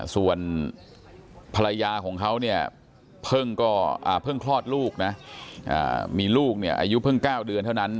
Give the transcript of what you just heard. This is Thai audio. ส่วนภรรยาของเขาเนี่ยเพิ่งคลอดลูกนะมีลูกเนี่ยอายุเพิ่ง๙เดือนเท่านั้น